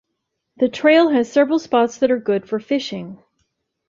The trail has several spots that are good for fishing.